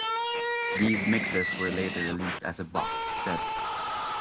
These mixes were later released as a boxed set.